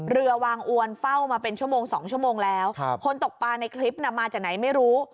เรือวางอวนเฝ้ามาเป็นชั่วโมง๒ชั่วโมงแล้วคนตกปลาในคลิปน่ะมาจากไหนไม่รู้